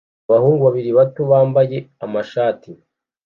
Abahungu babiri bato bambaye amashat